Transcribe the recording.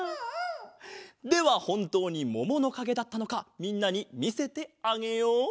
ではほんとうにもものかげだったのかみんなにみせてあげよう。